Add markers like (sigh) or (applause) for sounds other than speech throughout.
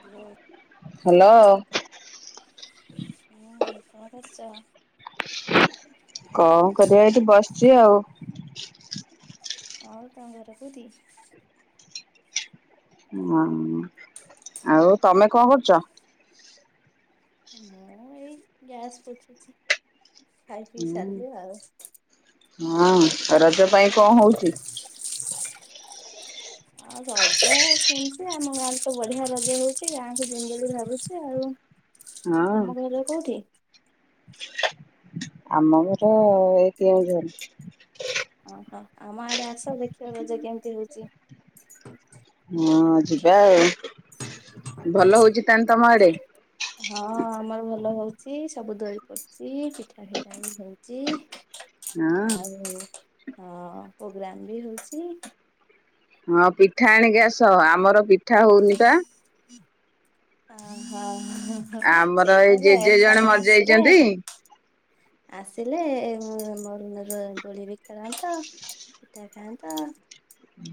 Hello. Hello ହୁଁ କଣ କରୁଚ? କଣ କରିଆ ଏଇଠି ବସିଚି ଆଉ। ହଉ ତମ ଘର କଉଠି? ଉଁ ଆଉ ତମେ କଣ କରୁଚ? ମୁଁ ଏଇ ଗ୍ୟାସ ପୋଛୁଛି ଖାଇ ପିଇ ସାରିଲୁ ଆଉ। ହଁ ରଜ ପାଇଁ ଆମର କଣ ହଉଚି? (inaudible) ଆଉ ରଜ ସେମିତି ଆମ ଗାଁରେ ତ ବଢ଼ିଆ ରଜ ହଉଚି ଗାଁକୁ ଯିମି ବୋଲି ଭାବୁଛି ଆଉ। ହଁ। ତମ ଘର କୋଉଠି? ଆମ ଘର ଏ କେଉଁଝର। ଓହୋ ଆମ ଆଡ଼େ ଆସ ଦେଖିବ ରଜ କେମିତି ହଉଚି। ହଁ ଯିବା ଏଇ, ଭଲ ହଉଚି ତାନ ତମ ଆଡେ? ହଁ ଆମର ଭଲ ହଉଚି, ସବୁ ଦୋଳି ପଡ଼ିଚି, ପିଠା ଫିଟା ବି ହଉଚି। ହଁ ଆଉ ହଁ ପୋଗ୍ରାମ ବି ହଉଚି। ହଁ ପିଠା ଆଣିକି ଆସ ଆମର ପିଠା ହଉନି ପା। ଓହୋ ଆମର ଏଇ ସେଇଥି ଜେଜେ ପାଇଁ ତ ଜଣେ ତମେ ଆସିଲେ ମରିଯାଇଛନ୍ତି। ଆସିଲେ (unintelligible) ଦୋଳି ବି ଖେଳନ୍ତ। ପିଠା ଖାଆନ୍ତ।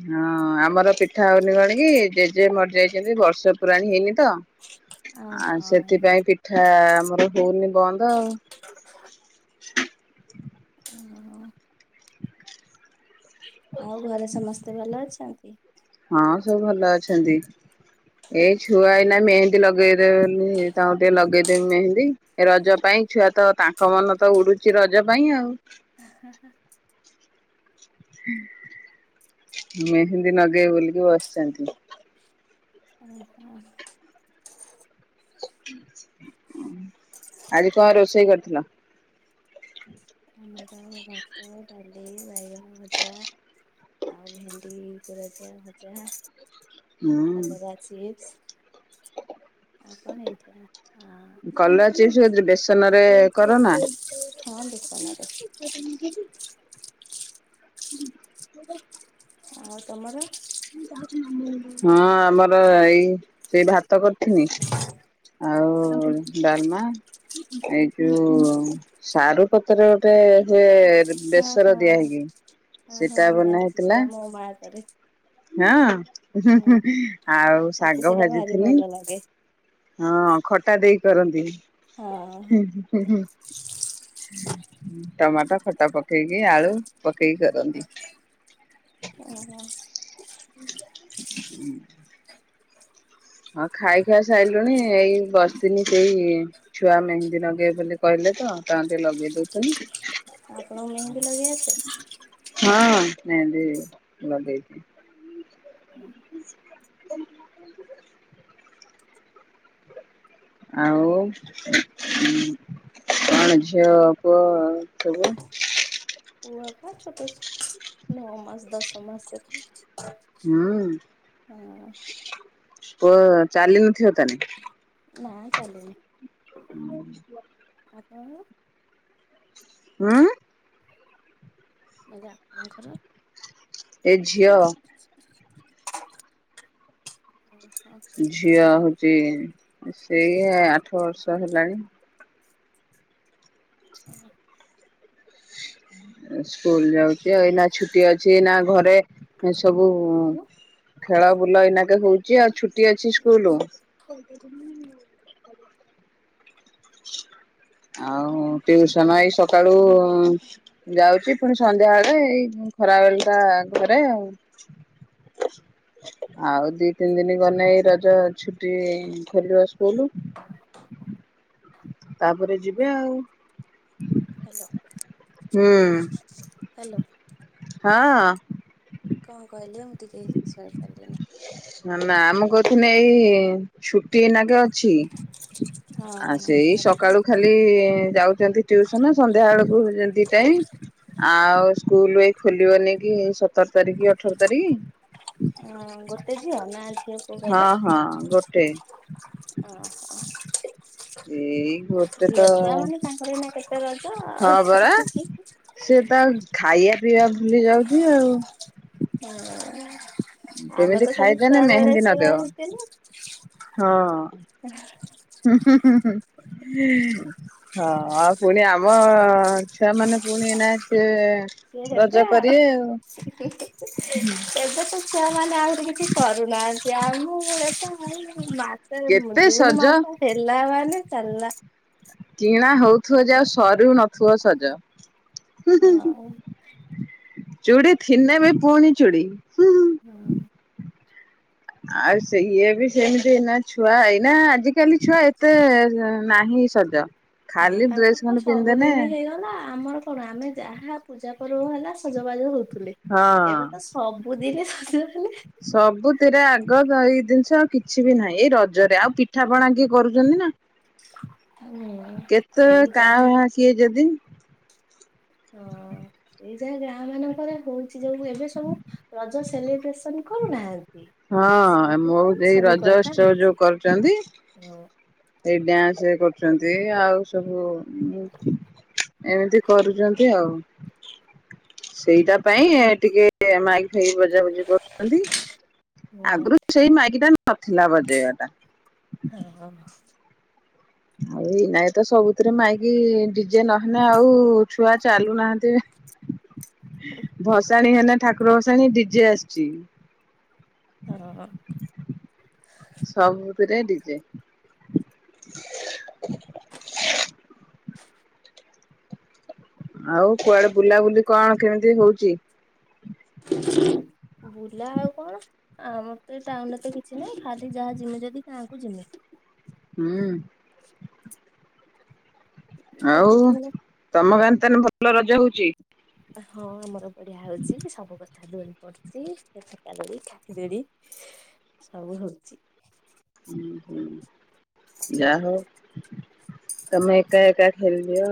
ହଁ ଆମର ପିଠା ହଉନି କଣ କି ଜେଜେ ମରିଯାଇଚନ୍ତି ବର୍ଷେ ପୁରାଣି ହେଇନି ତ ଅ ଆ ହଁ ସେଥିପାଇ ପିଠା ଆମର ହଉନି ବନ୍ଦ ଆଉ। (unintelligible) ଆଉ ଘରେ ସମସ୍ତେ ଭଲ ଅଛନ୍ତି? ହଁ ସବୁ ଭଲ ଅ ଛନ୍ତି, ଏ ଛୁଆ ଏଇନା ମେହେନ୍ଦୀ ଲଗେଇଦେବ ବୋଲି ତାଙ୍କୁ ଟିକେ ଲଗେଇ ମେହେନ୍ଦୀ ରଜ ପାଇଁ ଛୁଆ ତ ତାଙ୍କ ମନ ତ ଉଡ଼ୁଛି ରଜ ପାଇଁ ଆଉ। ହା ହା ହା। ମେହେନ୍ଦୀ ନଗେଇବେ ବୋଲିକି ବସିଚନ୍ତି। ଓ ହୋ। ଆଜି କଣ ରୋଷେଇ କରିଥିଲ? ଆମର ତ ଭାତ, ଡାଲି ବାଇଗଣ ଭଜା। ଆଉ ଭେଣ୍ଡି ପୁରଦିଆ ଭଜା ହୁଁ କଲରା ଚିପ୍ସ୍। ଆଉ କଣ ହେଇଥିଲା ଆଁ କଲରା ଚିପ୍ସ୍ କୋଉଥିରେ ବେସନରେ କର ନା? ହଁ ବେସନରେ। (unintelligible) (inaudible) ଆଉ ତମର? ହଁ ଆମର ଏଇ ସେ ଭାତ କରିିଥିନି। ଆଉ ଡାଲମା ଏଇ ଯୋଉ ସାରୁ ପତରେ ଗୋଟେ ହୁଏ ହଁ ହଁ ବେସର ଦିଆ ହଁ ହେଇକି ହଁ ସେଟା ମୁଁ ବନା ଜାଣିଛି ସେଇଟା ହେଇଥିଲା। ମୋ ମାଆ କରେ ହଁ ହଁ ଆଉ ମତେ ଶାଗ ସେଇଟା ଭାରି ଭାଜିଥିଲି ଭଲ ଲାଗେ ହଁ ଖଟା ଦେଇ କରନ୍ତି। ହଁ ଟମାଟୋ ଖଟା ପକେଇକି ଆଳୁ ପକେଇକି କରନ୍ତିି। ଓ ହ। ହୁଁ ହଁ ଖାଇ ଖୁଆ ସାଇଲୁଣି ଏଇ ବସିଥିଲି ସେଇ ଛୁଆ ମେହେନ୍ଦୀ ନଗେଇବେ ବୋଲି କହିଲେ ତ ତାଙ୍କୁ ଟିକେ ଲଗେଇ ଦଉଥିଲି। ଆପଣଙ୍କୁ ମେହେନ୍ଦୀ ଲଗେଇ ଆସେ? ହଁ ମେହେନ୍ଦି ଲଗେଇଚି। (inaudible) ଆଉ କଣ୍ ଝିଅ ପୁଅ ସବୁ? ପୁଅ ପା ଛୋଟ ନଅ ମାସ୍ ଦଶ ମାସ୍ ହୁଁ ପୁଅ ଚାଲି ନଥିବ ତାହାଲେ? ନାଇଁ ଚାଲିନି। (inaudible) ଆପଣଙ୍କର? ହୁଁ। କହିଲି ଆପଣଙ୍କର? ଏ ଝିଅ (inaudible) ଝିଅ ହଉଚି ସିଏ ଆଠ ବର୍ଷ ହେଲାଣି। (inaudible) ସ୍କୁଲ ଯାଉଚି ଆଉ ଏଇନା ଛୁଟି ଅଛି ଏଇନା ଘରେ ସବୁ କହିଲି ଖେଳ ବୁଲ ଏଇନାକେ ହଉଚି ଆଉ ଆପଣଙ୍କର ଛୁଟି ଅଛି ସ୍କୁଲୁ। (inaudible) (unintelligible) ଆଉ ଟ୍ୟୁସନ ଏଇ ସକାଳୁ ଯାଉଚି ପୁଣି ସନ୍ଧ୍ୟା ବେଳେ ଏଇ ଖରା ବେଳ ଟା ଘରେ ଆଉ। ଆଉ ଦି ତିନି ଦିନି ଗଲେ ଏଇ ରଜ ଛୁଟି ଖୋଲିବ ସ୍କୁଲୁ। ତାପରେ ଯିବେ ଆଉ। ହାଲୋ। ହୁଁ। ହାଲୋ। ହଁ। କଣ୍ କହିଲେ ମୁଁ ଟିକେ ଶୁଣିପାରିଲିନି? ନା- ମୁଁ କହୁଥିଲି ଏଇ ଛୁଟି ଏଇନାକେ ଅଛି। ହଁ ଆ ସେଇ ସକାଳୁ ଖା ଖାଲି ଯାଉଚନ୍ତି ଟ୍ୟୁସନ ସନ୍ଧ୍ୟା ବେଳକୁ ଦି ଟାଇମ୍। ଆଉ ସ୍କୁଲୁ ଏଇ ଖୋଲିବନି କି ଏଇ ସତର୍ ତାରିଖି କି ଅଠର୍ ତାରିଖି। ହଁ ଗୋଟେ ଝିଅ ନା ଝିଅ ପୁଅ କହିଲେ ହଁ- ହଁ ଗୋଟେ। ଓହୋ। ଏଇ। ଗୋଟେ ଝିଅ ତ ଛୁଆ ମାନେ ତାଙ୍କର ଏଇନା କେତେ ରଜ ହଁ ଆଉ- ପରା ହିଁ ହିଁ। ସେ ତା ଖାଇବା ପିଇବା ଭୁଲି ଯାଉଚି ଆଉ। ହଁ ଆମେ କେମିତି ତ ସବୁ ଖାଇଦେଲେ ଛୁଆ ବେଳେ ମେହେନ୍ଦୀ ସେଇଆ ନଗେଇବ ହେଇଥିଲୁ। ହଁ- ହୁଁ-ହୁଁ-ହୁଁ-। ହଁ ଆଉ ପୁଣି ଆମ ଛୁଆ ମାନେ ପୁଣି ଏଇନା ସେ ସେ ରଜ ହେବେ ଆଉ କରିବେ ହିଁ -ହିଁ -ହିଁ ଏବେ ତ ଛୁଆ ମାନେ ଆହୁରି କିଛି କରୁନାହାନ୍ତି ଆଗୁରୁ ଏତେ (unintelligible) ସେ କେତେ ଜୁନ୍ ସଜ ମାସ ହେଲା ମାନେ ଚାଲିଲା। କିଣା ହଉଥିବ ଯେ ଆଉ ସରୁ ନଥିବ ସଜ। ହୁଁ-ହୁଁ-। ହଁ। ଚୁଡିଥିନ୍ ବି ପୁଣି ଚୁଡି ହୁ ଆଉ ସେ ଇଏ ବି ସେମିତି ନା ଛୁଆ ଏଇନା ଆଜିିକାଲି ଛୁଆ ଏତେ ନାହିଁ ସଜ ହଁ ଖାଲି ଡ୍ରେସ ତାଙ୍କର ତ ଖଣ୍ଡେ ପିନ୍ଧିଦେନେ ସବୁଦିନ ହେଇଗଲା ଆମର କଣ ଆମେ ଯାହା ପୂଜା ପର୍ବ ହେଲା ସଜବାଜ ହଉଥିଲେ ହଁ ଏବେ ତ ସ ସବୁଦିନ ସଲେ ଖାଲି ସବୁଥିରେ ଆଗ ଏଇ ଜିନିଷ ଆଉ କିଛି ବି ନାହିଁ ଏଇ ରଜରେ ଆଉ ପିଠାପଣା କି କରୁଛନ୍ତି ନା ହୁଁ କେତେ ସେଇ କାଁ ଯାହା ଭାଁ କିଏ ଯଦି ହଁ ଏଇ ଯାଇ ଗାଁ ମାନଙ୍କରେ ହଉଛି ଯୋଉ ଏବେ ସବୁ ରଜ ସେଲିବ୍ରେସନ କରୁନାହାନ୍ତି। ହଁ ମୋ ସେଇଥିପାଇଁ ଏଇ ରଜ ଉତ୍ସବ ଯୋଉ କରୁଛନ୍ତି ହଁ ଏଇ ଡ୍ୟାନ୍ସ ସେ କରୁଛନ୍ତି ଆଉ ସବୁ ହଁ ଏମିତି କରୁଛନ୍ତି ଆଉ ସେଇଟା ପାଇଁ ଟିକେ ମାଇକି ଫାଇକି ବଜାବୁଜି କରୁଛନ୍ତି ହୁଁ। ଆଗରୁ ସେଇ ମାଇକିଟା ନଥିଲା ବଜେଇବା ଟା ହଁ ହଁ ଆଉ ଏଇ ନାଇଁ ତ ସବୁଥିରେ ମାଇକି ଡିଜେ ନହେଲେ ଆଉ ଛୁଆ ଚାଲୁନାହାନ୍ତି ଭସାଣି ହେଲେ ଠାକୁର ଭସାଣି ଡିଜେ ଆସିଛି ହଁ ସବୁ ତିରେ ଡିଜେ ଆଉ କୁଆଡେ ବୁଲାବୁଲି କଣ କେମିତି ହଉଛି? ବୁଲା ହାଉ କଣ? ଆଁ ମତେ ଟାଉନ ରେ ତ କିଛି ନାହିଁ ଖାଲି ଯାହା ଜିମି ଯଦି ଗାଁ ଙ୍କୁ ଜିମି ହୁଁ (inaudible) ରଜ ଆଉ ଦିନ ତମ ଗାଁରେ ତାହେଲେ ଭଲ ରଜ ହଉଚି? ହଁ ଆମର ବଢିଆ ହଉଛି ସବୁ କଥା ଦୋଳି ପଡୁଛି ସେକା ଲୋଡି ଖାଇ ଦୋଡି ସବୁ ହଉଛି। ହ ହୁଁ ଯା ହଉ ତମେ ଏକା ଏକା ଖେଳି ଦିଅ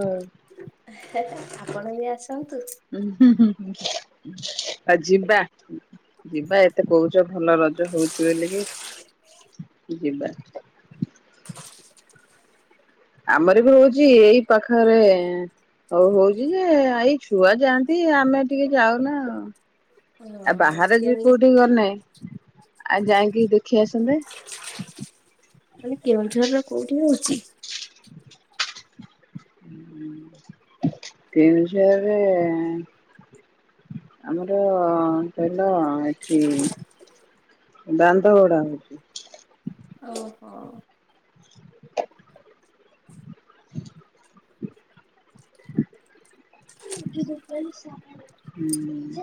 ସା ଆପଣ ବି ଆସନ୍ତୁ। ଉ ହୁ ହୁଆଜି ବା ଯିବା ଏତେ କହୁଛ ଭଲ ରଜ ହଉଚ ବୋଲିକି ଯିବା ଆମର ବି ରହୁଛି ଏଇ ପାଖରେ ହଉ ହଉଛି ଯେ ଏଇ ଛୁଆ ଯାଆନ୍ତି ଆମେ ଟିକେ ଯାଉନା ଆଉ ଆଉ ହଁ। ବାହାରେ ଯ କେଉଁ କୋଉଠି ଗନେ ଆଉ ଯାଇକି ଦେଖି ଆସନ୍ତେ କହିଲି କେଉଁଝର ର କୋଉଠି ହଉଛି? ତିନିଶହରେ ଆମର କହିଲ ଏଠି ବାନ୍ଦ ଗଡା ହଉଛି ଓହୋ (unintelligible) କ ହ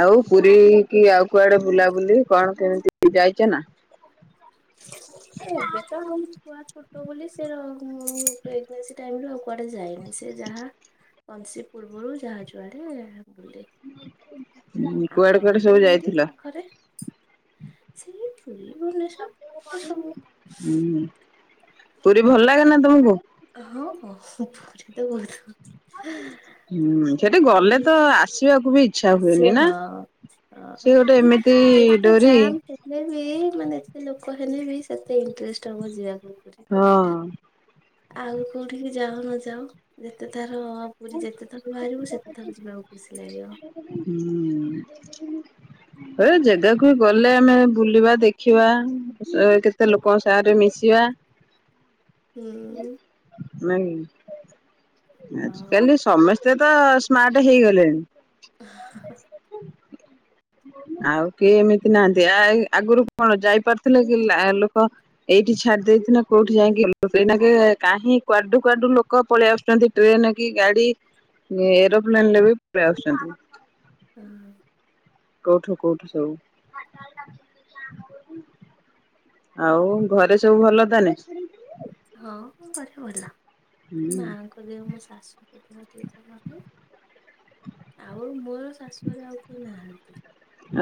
ଆଉ ପୁରୀ କି ଆଉ କୁଆଡେ ବୁଲାବୁଲି କଣ କେମିତି ଯାଇଛ ନା ଏବେ ତ ଆଉ କୁଆ ଛୋଟ ବୋଲି ସେ ପ୍ରେଗନେନ୍ସି ଟାଇମ ଆଉ କୁଆଡେ ଯାଇନି ସେ ଯାହା କଂସି ପୂର୍ବରୁ ଯାହା ଯୁଆଡେ ବୁଲେ ହୁଁ ଆଉ କୁଆଡେ କୁଆଡେ ନହେଲେ ସବୁ ଏଇଠି ଯାଇଥିଲ? ପାଖରେ ସିଏ ଥିଲେ ଭୁବନେଶ୍ଵର ଏ ସବୁ ହୁଁ ପୁରୀ ଭଲ ଲାଗେ ନା ତମୁକୁ? ହଁ ବୋହୁତ ପୁରୀ ତ ବୋହୁତ ଭ ହୁଁ ସେଠି ଗଲେ ତ ଆସିବାକୁ ବି ଇଚ୍ଛା ଆସେ ହୁଏନି ନା? ହଁ। ହଁ ସେ ଗୋଟେ ଏମିତି ଯେତେ ଡୋରି ଯାମ୍ ଥିଲେ ବି ମାନେ ଏତେ ଲୋକ ହେଲେ ବି ସେତେ ଇଣ୍ଟରେଷ୍ଟ ହବ ଯିବାକୁ ପୁରୀ। ହଁ। ଆଉ କୋଉଠିକି ଯାଅ ନ ଯାଅ ଯେତେ ଥର ପୁରୀ ଯେତେ ଥର ବାହାରିବୁ ସେତେ ଥର ଯିବାକୁ ଖୁସି ଲାଗିବ। ହୁଁ। ହେ ଜେଗାକୁ ଗଲେ ଆମେ ବୁଲିବା ଦେଖିବା ସେ କେତେ ଲୋକଙ୍କ ସା ମିଶିବା। ହୁଁଉଁ। ନାଇଁ ଆଜି ହଉ କାଲି ସମସ୍ତେ ତ ସ୍ମାର୍ଟ ହେଇଗଲେଣି। କଣ ଆଉ କେହି ଏମିତି ନାହାନ୍ତି ଆ ଏଇ ଆଗରୁ କଣ ଯାଇପାରଥିଲେ କି ଲା ଲୋକ? ଏଇଠି ଛାଡି ଦେଇଥିଲା କୋଉଁଠି ଯାଇଁକି ଭଲସେ ଏଇନାକେ କାହିଁ କୁଆଡୁ କୁଆଡୁ ଲୋକ ପଳେଆସୁଚନ୍ତି ଟ୍ରେନେ କି ଗାଡି ଏରୋପ୍ଲେନରେ ବି ପଳେଇ ଆସୁଚନ୍ତି। ଏ ହଁ। କୋଉଠୁ କୋଉଠୁ ସବୁ। ଆଉ ଘରେ ସବୁ ଭଲ ତାହାନେ? ହଁ ଘରେ ଭଲ ଏ ହୁଁ ମାଆଙ୍କ ଦେହ ମୋ ଶାଶୁଙ୍କ ଦେହ ଟିକେ ଭଲ ନାହିଁ। ଆଉ ମୋର ଶାଶୁଘରେ ଆଉ କେହି ନାହାନ୍ତି।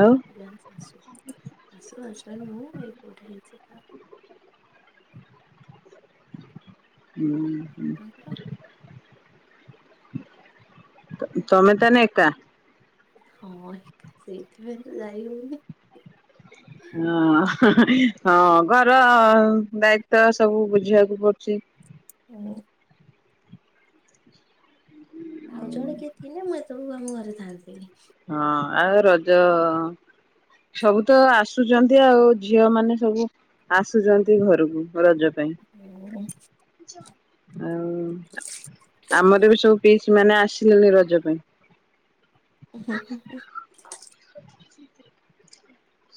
ଆଉ? ଯାହେନେ ଶାଶୁ ଶାଶୁ, ହଜବେଣ୍ଡ, ମୁଁ, ମୋ ଏଇ ପୁଅଟା ହେଇଛି ତ। ଉଁହୁଁ। ଆପଣଙ୍କର ତମେ ତାନେ ଏକା। ହଁ ଏକା ସେଇଥିପାଇଁ ତ ଯାଇ ହୋଉନି। ହୁଁ ହଁ ହଁ ଘର ଦାୟିତ୍ଵ ସବୁ ବୁଝିବାକୁ ପଡୁଚି। (unintelligible) ଆଉ ଜଣେ କିଏ ଥିନେ ମୁଁ ଏତୋଳକୁ ଆମ ଘରେ ଥାଆନ୍ତିଣି। ହଁ ଆଉ ରଜ ସବୁ ତ ଆସୁଚନ୍ତି ଆଉ ଝିଅମାନେ ସବୁ ଆସୁଚନ୍ତି ଘରକୁ ରଜ ପାଇଁ ମୋର ଆଉ ଆମର ବି ସବୁ ପିଇସିମାନେ ଆସିଲେଣି ରଜ ପାଇଁ। ଉଁ ହୁଁ ହୁଁ ହୁଁ।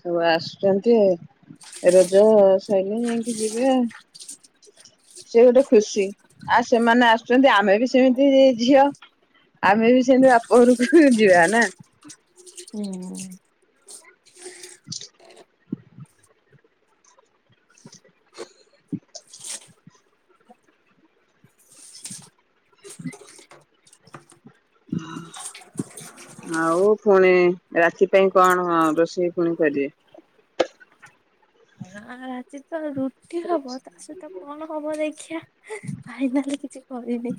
ସବୁ ଆସୁଚନ୍ତି ଆଉ ଏ ରଜ ସଇନେ ଯାଇଁକି ଯିବେ ଆ। ସେ ଗୋଟେ ଖୁସି ଆଉ ସେମାନେ ଆସୁଚନ୍ତି ଆମେ ବି ସେମିତି ରେ ଝିଅ ଆମେ ବି ସେମିତି ବାପଘରକୁ ଯିବା ନା। ହୁଁ। ଆଉ ଫୁଣି ରାତି ପାଇଁ କଣ ଆ ରୋଷେଇ ଫୁଣି କରିବେ? ଏରା ଆଜି ତ ରୁ ରୁଟି ହବ ତା ସହିତ କଣ ହବ ଦେଖିଆ ଫାଇନାଲ କିଛି କରିନି।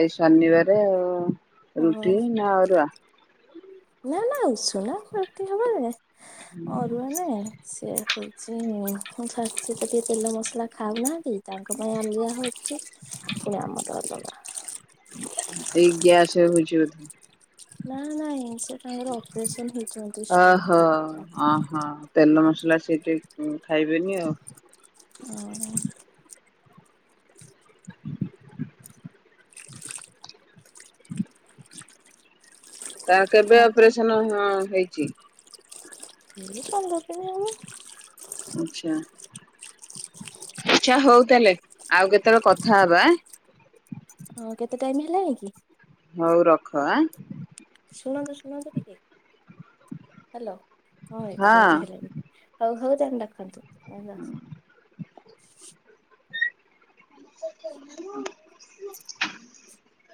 ଆଜି ଶନିବାରେ ଆଉ ରୁଟି ହଁ ନା ଅରୁଆ? ନା ନା ଉସୁନା କୁ ରୁଟି ହବ ଯେ ହୁଁ। ଅରୁଆ ନାଇଁ ସେ ହଉଛି ମୋ ଶାଶୁ ଟିକେ ତେଲ ମସଲା ଖାଉନାହାଁନ୍ତି। ତାଙ୍କ ପାଇଁ ଅଲଗା ହେଉଛି ପୁଣି ଆମ ପାଇଁ ଅଲଗା ଏଇ ଗ୍ୟାସରେ ହଉଛି ବୋଧେ? ନା ନାଇଁ। ସେ ତାଙ୍କର ଅପରେସନ ହେଇଛନ୍ତି ଷ୍ଟୋନ ଓହୋ ହେଇଥିଲା ଅ ହୋ ତେଲ ମସଲା ସେଇଥି ଖାଇବେନି ଆଉ। ଅହ। ତାର କେବେ ଆପଣ ଅପରେସନ୍ ହଁ ହେଇଚି? ଏଇ ପନ୍ଦର ଦିନି ହବ। ଆଚ୍ଛା ହଉ ତାହେଲେ ଆଉ କେତେବେଳେ କଥା ହବା ହଁ କେତେ ଟାଇମ୍ ହେଲାଣି କି? ହଉ ରଖ ଆଁଏ ଶୁଣନ୍ତୁ ଶୁଣନ୍ତୁ ଟିକେ ହାଲୋ ହଁ ଏଗାର ମିନିଟ୍ ହେଲାଣି। ହଉ ହଉ ତାହେଲେ ରଖନ୍ତୁ ହେଲା। (inaudible)